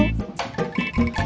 saya perlu uangnya